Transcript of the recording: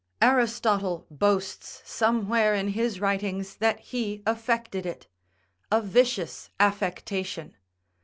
Aristotle boasts somewhere in his writings that he affected it: a vicious affectation.